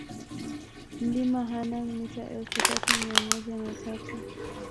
Mlima Hanang mita elfu tatu mia moja na tatu